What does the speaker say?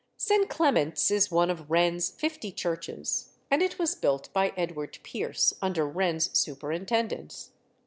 St. Clement's is one of Wren's fifty churches, and it was built by Edward Pierce, under Wren's superintendence.